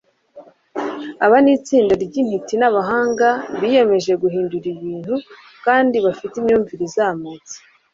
aba ni itsinda ry'intiti n'abahanga biyemeje guhindura ibintu kandi bafite imyumvire izamutse